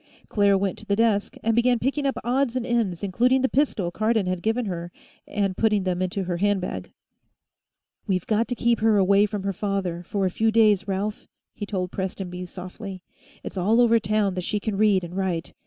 Claire went to the desk and began picking up odds and ends, including the pistol Cardon had given her, and putting them in her handbag. "We've got to keep her away from her father, for a few days, Ralph," he told Prestonby softly. "It's all over town that she can read and write.